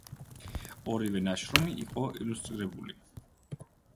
ორივე ნაშრომი იყო ილუსტრირებული.